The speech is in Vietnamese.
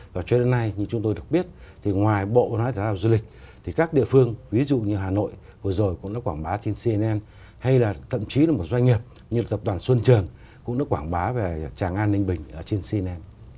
và cho đến nay như chúng tôi được biết thì ngoài bộ ngoại truyền hình cnn thì các địa phương ví dụ như hà nội vừa rồi cũng đã quảng bá trên cnn hay là thậm chí là một doanh nghiệp như là tập đoàn xuân trường cũng đã quảng bá về tràng an ninh bình trên cnn